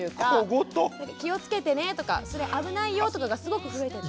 「気をつけてね」とか「それ危ないよ」とかがすごく増えてて。